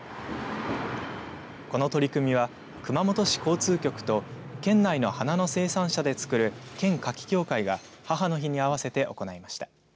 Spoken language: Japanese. この取り組みは熊本市交通局と県内の花の生産者でつくる県花き協会が母の日に合わせて行いました。